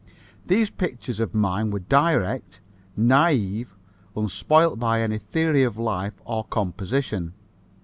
These pictures of mine were direct, naïve, unspoiled by any theory of life or composition.